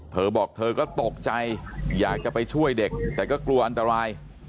เธอบอกเธอก็ตกใจอยากจะไปช่วยเด็กแต่ก็กลัวอันตราย